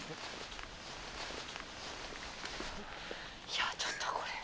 いやちょっとこれ。